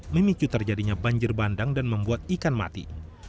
memicu terjadinya banjir bandang dan membuat ikan mati